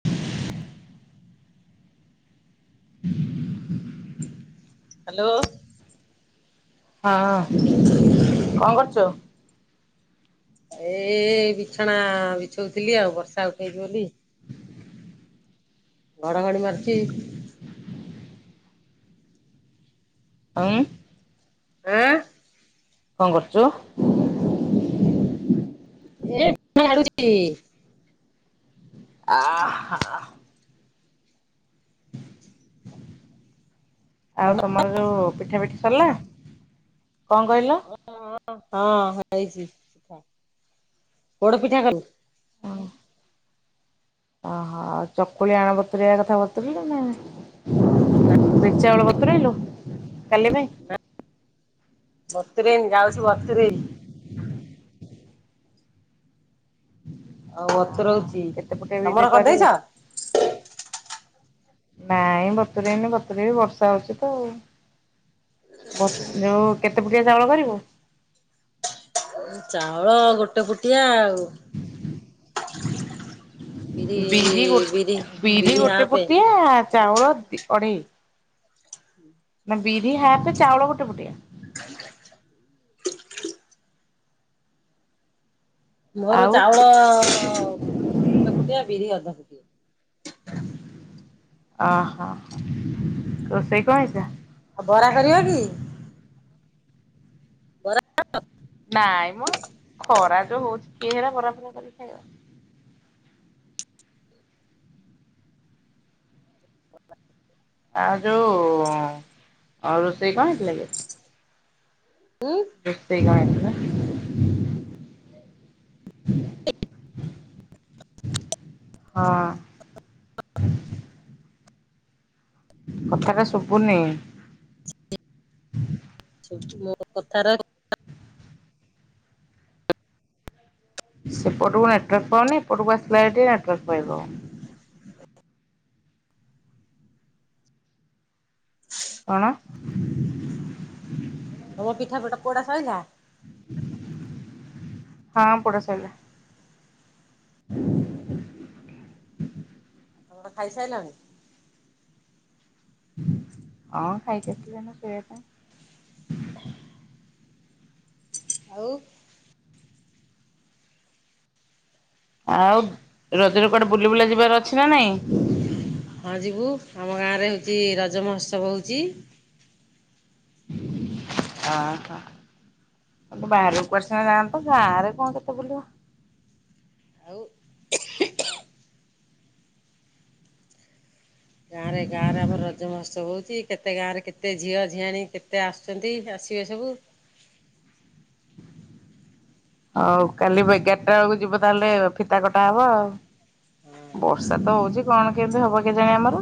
[inaudible] [unintelligible] Hello. ହଁ ହଁ କଣ କରୁଛୁ? ଏ ବିଛଣା ବିଛଉଥିଲି ଆଉ ବର୍ଷା ଉଠେଇଛି ବୋଲି ଘଡ଼ଘଡ଼ି ମାରୁଚି। ହମ ଆଁ? କଣ କରୁଛୁ? ଏ ଝାଡ଼ୁଚି। ଆଃ ହା ହା। ଆଉ ତମର ଯୋଉ ପିଠା ପିଠି ସରିଲା? କଣ କହିଲ? ହଁ ହେଇଛି। ପୋଡ଼ ପିଠା କଲୁ? ଓହୋ ଚକୁଳି ଆଣ ବତୁରେଇବା କଥା ବତୁରେଇଲୁ ନା ନାଇଁ? ନା ବିରି ଚାଉଳ ବତୁରେଇଲୁ, କାଲି ପାଇଁ? ନା ବତୁରେଇନି ଯାଉଛି ବତୁରେଇବି। ହଁ ବତୁରଉଛି, କେତେ ପଟେ ବିରି ତମର କରିବେ? କରିଦେଇଛ? ନାଇଁ ବତୁରେଇନି ବତୁରେଇବି ବର୍ଷା ହଉଛି ତ ଆଉ। ବତୁରେଇବୁ, କେତେ ପୁଟିଆ ଚାଉଳ କରିବୁ? ଚାଉଳ ଗୋଟେ ପୁଟିଆ ଆଉ। [unintelligible] ବିରି ଗୋ ବିରି ବିରି ଗୋଟେ ହାପେ ପୁଟିଆ ଚାଉଳ ଅଢ଼େଇ ନା ବିରି ହାପ, ଚାଉଳ ଗୋଟେ ପୁଟିଆ? [unintelligible] ମୋର ଆଉ ଚାଉଳ ଗୋଟେ ପୁଟିଆ ବିରି ଅଧ ପୁଟିଆ। ଅ ହଁ, ରୋଷେଇ କଣ ହେଇଥିଲା? ଆଉ ବରା କରିବା କି? ନା ତ। ନାଇ ମ ଖରା ଯୋଉ ହଉଛି କେହେରା ବରାଫରା କରି ଖାଇବ। [inaudible] ଆଉ ଯୋଉ ରୋଷେଇ କଣ ହେଇଥିଲା କି? ହୁଁ ରୋଷେଇ କଣ ହେଇଥିଲା? [unintelligible] ହଁ [unintelligible] କଥା ଟା ଶୁଭୁନି। ଶୁଭୁଛି ମୋ କଥା ରାକ ସେପଟକୁ ନେଟୱାର୍କ ପାଉନି, ଏପଟକୁ ଆସିଲା ଟିକେ ନେଟୱାର୍କ ପାଇବ। [unintelligible] କଣ? ତମ ପିଠା ଫିଟା ପୋଡା ସରିିଲା? ହଁ ପୋଡ଼ା ସରିଲା। [unintelligible] ତମେ ଖାଇ ସାରିଲନି? ହଁ ଖାଇକି ଆସିଲି ଏଇନା ଶୋଇବା ପାଇଁ। ଆଉ ଆଉ ରଜରେ କୁଆଡେ ବୁଲି ବୁଲା ଯିବାର ଅଛି ନା ନାଇଁ? ହଁ ଯିବୁ ଆମ ଗାଁରେ ହଉଛି ରଜ ମହୋତ୍ସବ ହଉଛି। ଅହ। ବାହାରକୁ କୁଆଡେ ସିନା ଯାଆନ୍ତ ଗାଁରେ କଣ କେତେ ବୁଲିବ। ଆଉ ଗାଁ ରେ ଗାଁ ରେ ଆମର ରଜ ମହୋତ୍ସବ ହଉଛି। କେତେ ଗାଁରେ କେତେ ଝିଅ ଝିଆଣି କେତେ ଆସୁଛନ୍ତି ଆସିବେ ସବୁ। ହଉ କାଲି ଏଗାରଟା ବେଳକୁ ଯିବ ତାହେଲେ ଫିତା କଟା ହବ ଆଉ। ହଁ ବର୍ଷା ତ ହଉଛି କଣ କେମିତି ହବ କେଜାଣି ଆମର।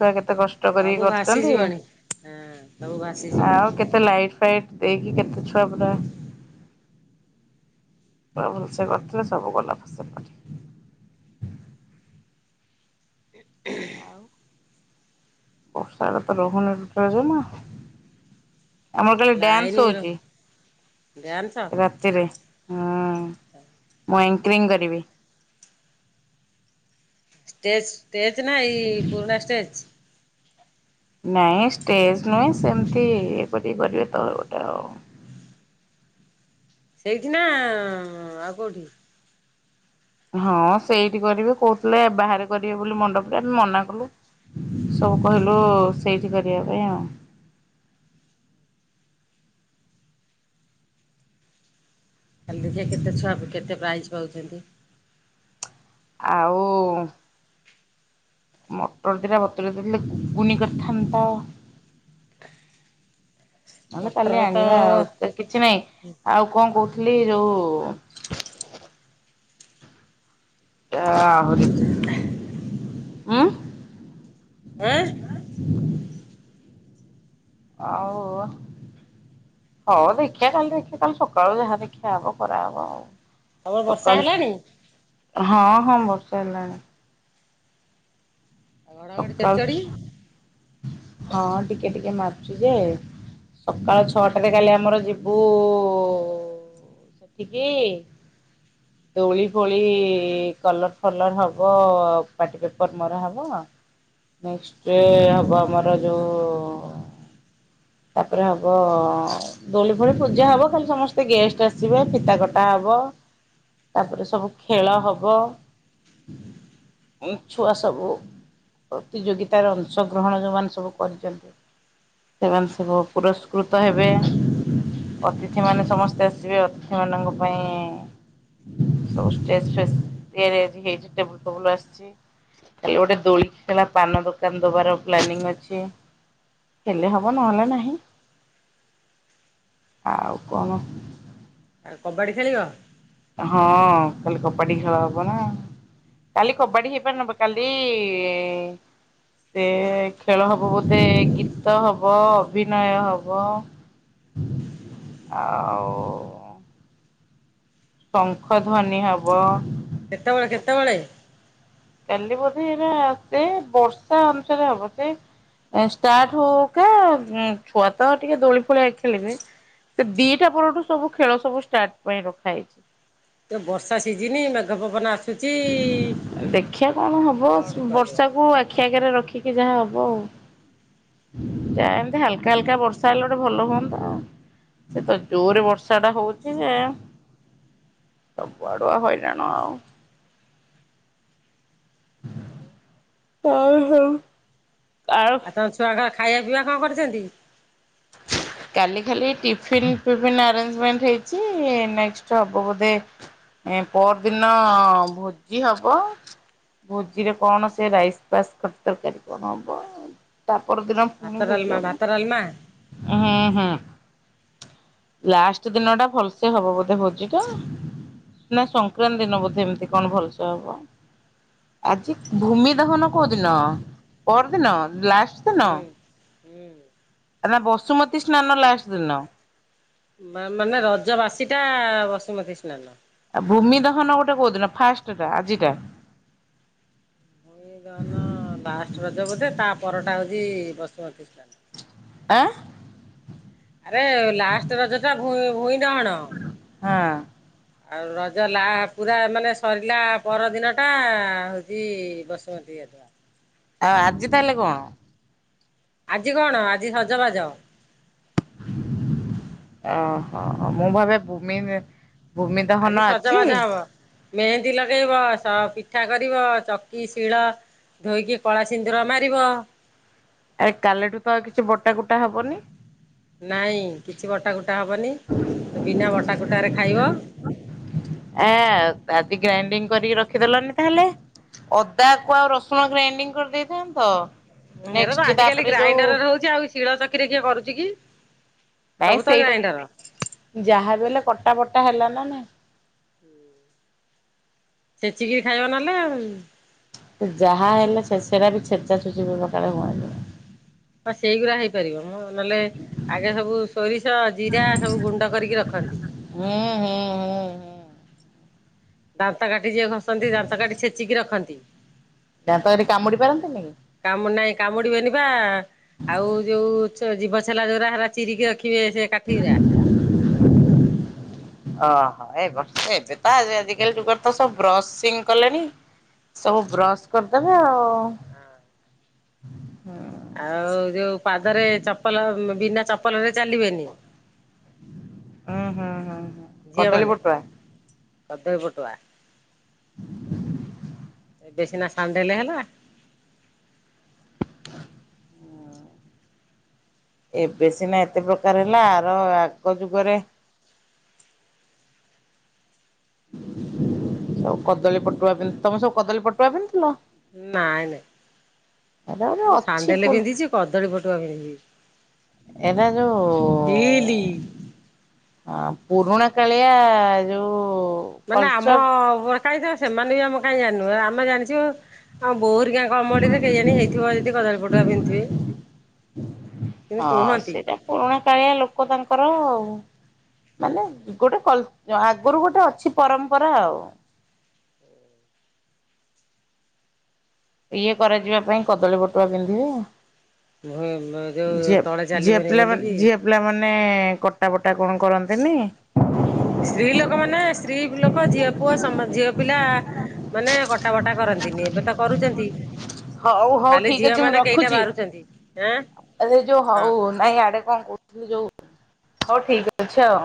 ଛୁଆ କେତେ କଷ୍ଟ କରିକି ସବୁ କରୁଛନ୍ତି ଭାସିଯିବଣି ହଁ ସବୁ ଭାସିଯିବଣି ଆଉ କେତେ ଲାଇଟ ଫାଇଟ ଦେଇ କି କେତେ ଛୁଆ ପୁରା ପୁରା ଭଲସେ କରିଥିଲେ ସବୁ ଗଲା ଫସର ଫାଟି। ହୁଁ। ବର୍ଷାଟାତ ରହୁନୀ ଟୋଟାଲ ଜମା। ଆମର ତାହାଲେ ଲାଇନ ଡ୍ୟାନ୍ସ ବି ହଉଛି ରହୁନି। ଡ୍ୟାନ୍ସ ରାତି ରାତିରେ ହଁ ମୁଁ ଆଙ୍କିରିଙ୍ଗ କରିବି। ଷ୍ଟେଜ୍ ଷ୍ଟେଜ୍ ନା ଏଇ ପୁରୁଣା ଷ୍ଟେଜ୍? ନାଇଁ ଷ୍ଟେଜ ନୁହେଁ ସେମିତି ଇଏ କରିକି କରିବେ ତ ଗୋଟେ ଆଉ। ସେଇଠି ନା ଆଉ କେଉଁଠି? ହଁ ସେଇଠି କରିବେ କହୁଥିଲେ ବାହାରେ କରିବେ ବୋଲି ମଣ୍ଡପରେ ଆମେ ମନା କଲୁ। ସବୁ କହିଲୁ ସେଇଠି କରିବା ପାଇଁ ଆଉ। କାଲି ଦେଖିବା କେତେ ଛୁଆ କେତେ ପ୍ରାଇଜ୍ ପାଉଛନ୍ତି। ଆଉ କୁ ମଟର ଦିଇଟା ବତୁରେଇଥିଲେ ଘୁଗୁନି କରିଥାନ୍ତ। ନହେଲେ ମଟର କାଲି ତ ଆଣିବା ଆଉ କିଛି ନାହିଁ ଆଉ କଣ କହୁଥିଲି ଯୋଉ ଆହୁରି ଉଁ ଆଁ ହଉ। ହଉ ଦେଖିବା କାଲି ଦେଖିବା କାଲି ସକାଳୁ ଯାହା ଦେଖିଆ ହବ କରାହବ ଆଉ। ତମର ବର୍ଷା ସକାଳୁ ହେଲାଣି। ହଁ ହଁ ବର୍ଷା ହେଲାଣି। ଆଉ ଘଡ଼ଘଡ଼ି ଚଡ଼ଚଡ଼ି ସକାଳୁ ହଁ ଟିକେ ଟିକେ ମାରୁଚି ଯେ ସକାଳ ଛଅଟାରେ କାଲି ଆମର ଯିବୁ ସେଠିକି। [inaudible] ଦୋଳି ଫୋଳି କଲର ଫଲର ହବ ପାଟି ପେପର ମରା ହବ। ନେସ୍କ୍ଟ ହବ ଆମର ଯୋଉ ତାପରେ ହବ ଦୋଳି ଫୋଳି ପୂଜା ହବ ଖାଲି ସମସ୍ତେ ଗେଷ୍ଟ ଆସିବେ ଫିତା କଟା ହବ। ତାପରେ ସବୁ ଖେଳ ହବ। ଉଁ ଛୁଆ ସବୁ ପ୍ରତିଯୋଗିତାର ଅଂଶଗ୍ରହଣ ଯୋଉମାନେ ସବୁ କରିଛନ୍ତି ସେମାନେ ସବୁ ପୁରସ୍କୃତ ହେବେ। ଅତିଥି ମାନେ ସମସ୍ତେ ଆସିବେ ଅତିଥି ମାନଙ୍କ ପାଇଁ ସବୁ ଷ୍ଟେଜ ଫେଜ ତିଆରି ହେଇଛି ଟେବୁଲ ଫେବୁଲ ଆସଛି। କାଲି ଗୋଟେ ଦୋଳି ଖେଳା ପାନ ଦୋକାନ ଦବାର ପ୍ଲାନିଂ ଅଛି। ହେଲେ ହବ ନହଲେ ନାହିଁ ଆଉ କଣ? ଆଉ କବାଡି ଖେଳିବା? ହଁ କାଲି କବାଡି ଖେଳ ହବ ନା? କାଲି କବାଡି ହେଇ ପାରେ ନ ହେଇ ପାରେ କାଲି ସେ ଖେଳ ହବ ବୋଧେ ଗୀତ ହବ ଅଭିନୟ ହବ। ଆଉ ଶଙ୍ଖଧ୍ୱନି ହବ। କେତେବେଳେ କେତେବେଳେ? କାଲି ବୋଧେ ଏଇନା ସେ ବର୍ଷା ଅନୁସାରେ ହବ ସେ। ଷ୍ଟାର୍ଟ ହଉ ହଉକା ଛୁଆ ତ ଟିକେ ଦୋଳି ଫୋଳି ଖେଳିବେ ସେ ଦିଟା ପରଠୁ ସବୁ ଖେଳ ସବୁ ଷ୍ଟାର୍ଟ ପାଇଁ ରଖା ହେଇଛି। ତ ବର୍ଷା ସିଝିନି ମେଘ ପବନ ଆସ ଦେଖିବା କଣ ହବ କଣ କରିବ ବର୍ଷାକୁ ଆଖି ଆଗରେ ରଖିକି ଯାହା ହବ ଆଉ? ଯାଏ ଏମତି ହାଲକା ହାଲକା ବର୍ଷା ହେଲା ଗୋଟେ ଭଲ ହୁଅନ୍ତା। ସେ ତ ଜୋରେ ବର୍ଷା ଟା ହଉଛି ଯେ ସବୁଆଡୁଆ ହଇରାଣ ଆଉ ହଉ ହଉ। ଆଉ ତମ ଛୁଆକା ଖାଇବା ପିଇବା କଣ କରିଛନ୍ତି? ହ କାଲି ଖାଲି ଟିଫିନ୍ ଫିପିନ ଆରେଞ୍ଜମେଣ୍ଟ ହେଇଛି ନେକ୍ସଟ୍ ହବ ବୋଧେ ଏ ପର ଦିନ ଭୋଜି ହବ। ଭୋଜିରେ କଣ ସେ ରାଇସ ପାସ୍ ଖ ତରକାରୀ କଣ ହବ? ତା ପରଦିନ ଭାତ ପୁଣି ଡାଲମା ଭୋଜି ହବ। ଭାତ ଡାଲମା। ହୁଁ ହୁଁ। ଲାଷ୍ଟ ଦିନ ଟା ଭଲସେ ହବ ବୋଧେ ଭୋଜି ଟା? ନା ସଂକ୍ରାନ୍ତି ଦିନ ବୋଧେ ଏମତି କଣ ଭଲସେ ହବ? ଆଜି ଭୂମି ଦହନ କୋଉ ଦିନ ପରଦିନ ଲାଷ୍ଟ। ହୁଁ ହୁଁ। ଆ ବସୁମତୀ ସ୍ନାନ ଲାଷ୍ଟ ଦିନ। ବା ମାନେ ରଜ ବାସିଟା ବସୁମତୀ ସ୍ନାନ। ଆଉ ଭୂମି ଦହନ ଗୋଟେ କୋଉଦିନ ଫାଷ୍ଟଟା ଆଜିଟା ଭୂମିଦହନ ଲାଷ୍ଟ ରଜ ବୋଧେ ତା ପରଟା ହେଉଛି ବସୁମତୀ ସ୍ନାନ। ଆ ଆରେ ଲାଷ୍ଟ ରଜଟା ଭଁ ଭୁଇଁ ଦହଣ। ହଁ। ଆଉ ରଜ ଲା ପୁରା ମାନେ ସରିଲା ପରଦିନ ଟା ହଉଛି ବସି ମତି ଗାଧୁଆ। ଆଉ ଆଜି ତାହେଲେ କଣ? ଆଜି କଣ ଆଜି ସଜବାଜ। ଓହୋ ମୁଁ ଭାବେ ଭୂମି ଭୂମି ଦହନ ଆଜି? ସଜବାଜ ହବ। ମେହେନ୍ଦୀ ଲଗାଇବ ପିଠା କରିବ ଚକି ଶିଳ ଧୋଇକି କଳା ସିନ୍ଦୁର ମାରିବ। ଆରେ କାଲିଠୁ ତ ଆଉ କିଛି ବଟା କୁଟା ହେବନି? ନାଇଁ କିଛି ବଟା କଟା ହବନି ତ ବିନା ବଟା କଟ ରେ ଖାଇବ। ଏ ଆଜି ଗ୍ରାଇଣ୍ଡିଙ୍ଗ କରିକି ରଖିଦେଲନି ତାହେଲେ। ଅଦାକୁ ଆଉ ରସୁଣ ଗ୍ରାଇଣ୍ଡିଙ୍ଗ କରିଦେଇଥାନ୍ତ। ହେରା ତ ନେକ୍ସଟ ଆଜିିକାଲି ତାପରେ ଯୋଉ ଗ୍ରାଇଣ୍ଡରରେ ହଉଛି ଆଉ ଶିଳ ଚକିରେ କିଏ କରୁଛି କି? ନାଇଁ ସବୁ ତ ସେଇଟା ଗ୍ରାଇଣ୍ଡର। ଯାହାବ ହେଲେ କଟା ବଟା ହେଲା ନା ନାହିଁ। [unintelligible] ଛେଚିକିରି ଖାଇବା ନହେଲେ ଆଉ। ତ ଯାହା ହେଲେ ସେଟା ବି ଛେଚା ଛେଚ କଳେ ହୁଏନ। ହଁ ସେଇଗୁଡ଼ା ହେଇପାରିବ ମୁଁ ନହେଲେ ଆଗେ ସବୁ ସୋରିଷ ଜିରା ସବୁ ଗୁଣ୍ଡ କରିକି ରଖନ୍ତି। ହଁ ହଁ ହଁଁ। ଦାନ୍ତ କାଠି ଯିଏ ଘଷନ୍ତି ଦାନ୍ତ କାଠି ଛେଚିକି ରଖନ୍ତି। ଦାନ୍ତ କାଠି କାମୁଡି ପାରନ୍ତିନି କି? କାମୁଡି ନାଇଁ କାମୁଡିବେନି ବା। ଆଉ ଯୋଉ ଜୀବଛେଲା ଯୋଉା ହୋ ଚିରିିକି ରଖିବେ ସେ। କାଠିରା। [unintelligible] ଓହୋ ଏ ବର୍ଷ ଏବେ ତ ଆଜିକାଲି ଯୁଗର ତ ସବୁ ବ୍ରଶିଂ କଲେଣି। ସବୁ ବ୍ରଶ କରିଦେବେ ଆଉ। ଆଉ ଯୋଉ ପାଦରେ ଚପଲ ବିନା ଚପଲ ରେ ଚାଲିବେନି। ହୁଁ ହୁଁ ହୁଁଁ କଦଳୀ ପୁଟୁଆ। କଦଇ ପଟୁଆ। ବେଶିନା ସାଣ୍ଡେଲେ ହେଲା। ଏବେ ସିନା ଏତେ ପ୍ରକାର ହେଲା ଆର ଆଗ ଯୁଗରେ ସବୁ କଦଳୀ ପଟୁଆ ପିନ୍ଧ ତମେ ସବୁ କଦଳୀ ପଟୁଆ ପିନ୍ଧିଥିଲ? ନାଇଁ ନାଇଁ ଏଇଟା ଗୋଟେ ମୁଁ ଅଛି ପୁ ସାଣ୍ଡେଲ ପିନ୍ଧିଛି କଦଳୀ ପଟୁଆ ପିନ୍ଧିବି। ଏବେ ଯୋଉ ହଁ ପୁରୁଣା କାଳିଆ ଯୋଉ ମାନେ ଆମ କଲଚର କ ତ ସେମାନେ ବି ଆମ କାଇହିଁ ଜାଣିନୁହେ ଆମେ ଜାଣିଛୁ ଆଉ ବୋଉ ହାରିକା କମଡିରେ କେହି ଜାଣି ହେଇଥିବ ଯଦି କଦାଳୀ ପଟୁକା ପିନ୍ଧଥିବେ କିନ୍ତୁ ହଁ କୁହନ୍ତି। ସେଇଟା ପୁରୁଣା କାଳିଆ ଲୋକ ତାଙ୍କର ଆଉ। ମାନେ ଗୋଟେ ଆଗରୁ ଗୋଟେ ଅଛି ପରମ୍ପରା ଆଉ। ଇଏ କରାଯିବା ପାଇଁ କଦଳୀ ପଟୁଆ ପିନ୍ଧିବେ। ଯୋଉ ଝିଅ ତଳେ ଝିଅ ଚାଲିବନି ପିଲାମାନେ ବୋଲିକ ଝିଅ ପିଲାମାନେ କଟା ବଟା କଣ କରନ୍ତିନି। ସ୍ତ୍ରୀ ଲୋକ ମାନେ ସ୍ତ୍ରୀ ଲୋକ ଝିଅ ପୁଅ ଝିଅ ପିଲା ମାନେ କଟ ବଟା କରନ୍ତିନି ଏବେ ତ କରୁଛନ୍ତି। ହଉ ହଉ ଖାଲି ଠିକ ଝିଅ ଅଛି ମୁଁ ମାନେ କେଇଟା ରଖୁଛି ବାରୁଛନ୍ତି ଆଁ ଏରେ ଯୋଉ ହଁ। ହଉ ନାଇଁ ଆଡେ କଣ କହୁଥିଲ ଯୋଉ ହଉ ଠିକ ଅଛି ଆଉ।